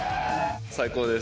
最高です。